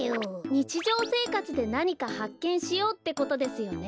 にちじょうせいかつでなにかはっけんしようってことですよね。